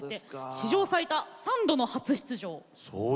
史上最多３度の初出場です。